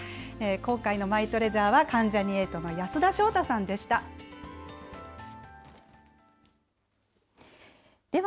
今回のマイトレジャーは関ジャニ∞の安田章大さんでした。